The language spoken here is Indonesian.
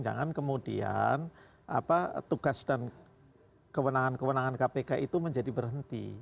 jangan kemudian tugas dan kewenangan kewenangan kpk itu menjadi berhenti